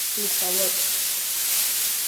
پېښور